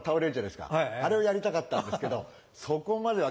あれをやりたかったんですけどそこまでは。